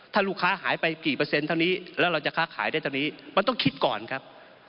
ถ้าลูกค้าหายไปกี่เปอร์เซ็นเท่านี้แล้วเราจะค้าขายได้เท่านี้มันต้องคิดก่อนครับ